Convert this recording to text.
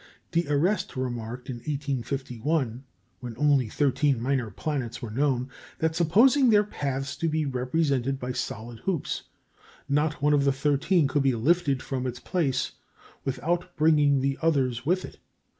D'Arrest remarked in 1851, when only thirteen minor planets were known, that supposing their paths to be represented by solid hoops, not one of the thirteen could be lifted from its place without bringing the others with it.